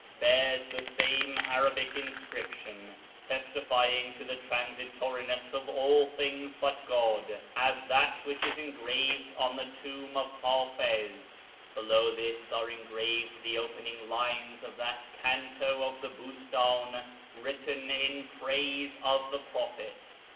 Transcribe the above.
282 A YEAR AMONGST THE PERSIANS same Arabic inscription, testifyinjj^ to the transitoriness of all things but God, as that which is engraved on the tomb of Hiitiz. Below this are engraved the opening lines of that canto of the Bustdn written in praise of the Prophet.